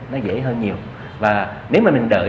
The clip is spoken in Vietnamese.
nó dễ hơn nhiều và nếu mà mình đợi